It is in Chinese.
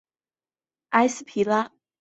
埃斯皮拉。